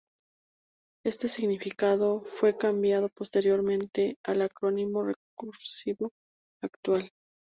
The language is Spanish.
Este significado fue cambiado posteriormente al acrónimo recursivo actual.